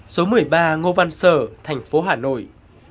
số một mươi ba ngô văn sở thành phố hà nội